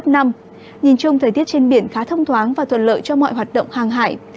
nhìn chung thời tiết trên biển khá thông thoáng và thuận lợi cho mọi hoạt động hàng hải